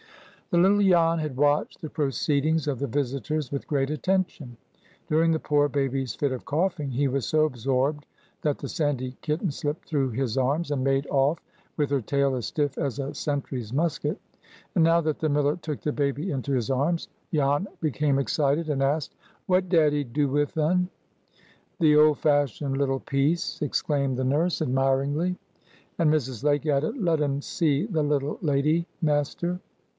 The little Jan had watched the proceedings of the visitors with great attention. During the poor baby's fit of coughing, he was so absorbed that the sandy kitten slipped through his arms and made off, with her tail as stiff as a sentry's musket; and now that the miller took the baby into his arms, Jan became excited, and asked, "What daddy do with un?" "The old fashioned little piece!" exclaimed the nurse, admiringly. And Mrs. Lake added, "Let un see the little lady, maester."